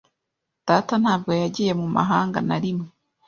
Data ntabwo yagiye mu mahanga na rimwe.